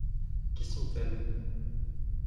Qui sont-elles ?